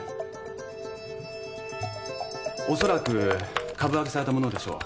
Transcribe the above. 恐らく株分けされたものでしょう。